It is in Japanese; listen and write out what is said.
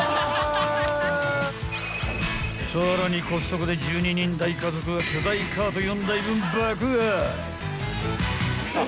更にコストコで１２人大家族が巨大カート４台分、爆買い！